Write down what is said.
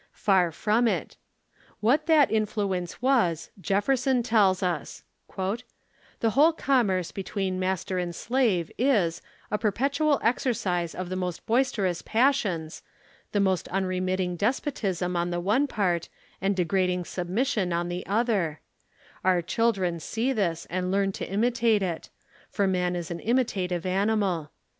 Far from it. What that in fluence was, Jefferson tells us: "The whole commerce between master and slave is, a perpetual exercise of the most boisterous passions, the most unremitting despotism on the one part, and degrading submission, on the other Our children see this and learn to imitate it; for man is an imitative animal.